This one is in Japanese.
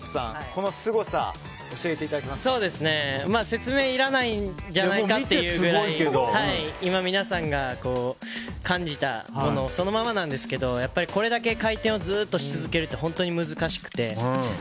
このすごさを説明はいらないんじゃないかってくらい今、皆さんが感じたものそのままなんですけどこれだけ回転をずっとし続けるって本当に難しくて。